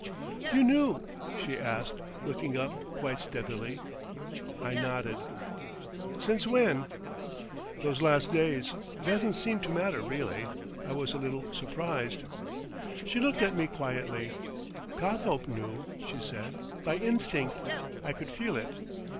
"You knew?"—she asked, looking up, quite steadily. I nodded. "Since when?" "Those last days.... It hasn't seemed to matter really. I was a little surprised." She looked at me quietly. "Cothope knew," she said. "By instinct. I could feel it."